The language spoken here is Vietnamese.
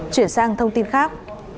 chuyển sang thông tin khác